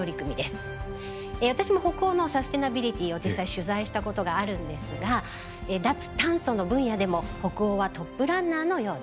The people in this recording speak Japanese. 私も北欧のサステナビリティを実際取材したことがあるんですが脱炭素の分野でも北欧はトップランナーのようです。